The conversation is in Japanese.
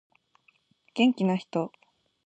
元気な人